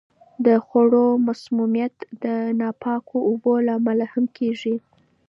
د خوړو مسمومیت د ناپاکو اوبو له امله هم کیږي.